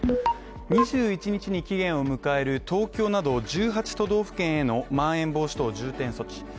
２１日に期限を迎える東京など１８都道府県へのまん延防止等重点措置。